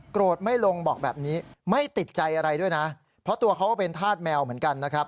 ไม่ลงบอกแบบนี้ไม่ติดใจอะไรด้วยนะเพราะตัวเขาก็เป็นธาตุแมวเหมือนกันนะครับ